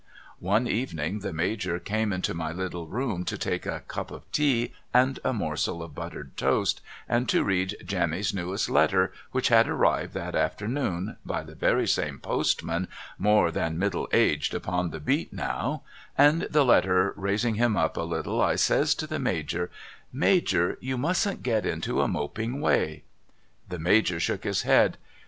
One evening the Major came into my little room to take a cup of tea and a morsel of buttered toast and to read Jemmy's newest letter which had arrived that afternoon (by the very same postman more than middle aged upon the Beat now), and the letter raising him up a little I says to the Major :' Major you mustn't get into a moping way.' The Major shook his head.